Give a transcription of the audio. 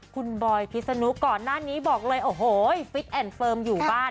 คุณบอยพิษนุก่อนหน้านี้บอกเลยโอ้โหฟิตแอนด์เฟิร์มอยู่บ้าน